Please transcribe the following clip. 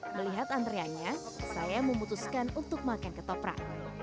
melihat antreannya saya memutuskan untuk makan ketoprak